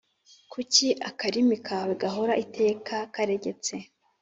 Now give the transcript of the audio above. kuki akarimi kawe gahora iteka karegetse